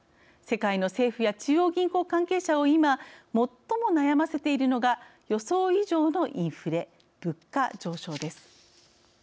世界の政府や中央銀行関係者を今、最も悩ませているのが予想以上のインフレ・物価上昇です。